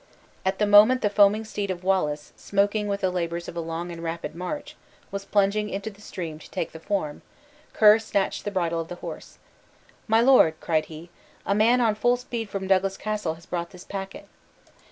At the moment the foaming steed of Wallace, smoking with the labors of a long and rapid march, was plunging into the stream to take the form, Ker snatched the bridle of the horse: "My lord," cried he, "a man on full speed from Douglas Castle has brought this packet."